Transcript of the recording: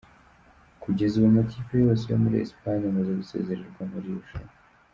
Kugeza ubu amakipe yose yo muri Esipanye amaze gusezererwa muri iri rushanwa.